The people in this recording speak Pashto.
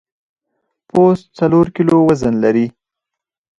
پوست څلور کیلو وزن لري.